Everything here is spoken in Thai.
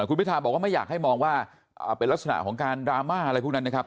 คุณพิทาบอกว่าไม่อยากให้มองว่าเป็นลักษณะของการดราม่าอะไรพวกนั้นนะครับ